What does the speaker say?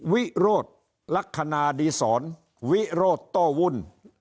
วิโรธลักษณะดีศรวิโรธโต้วุ่น